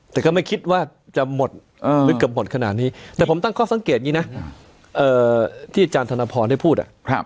แต่ก็ไม่คิดว่าจะหมดหรือเกือบหมดขนาดนี้แต่ผมตั้งข้อสังเกตอย่างนี้นะที่อาจารย์ธนพรได้พูด